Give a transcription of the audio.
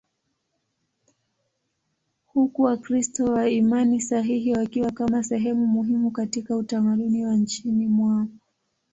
huku Wakristo wa imani sahihi wakiwa kama sehemu muhimu katika utamaduni wa nchini mwao.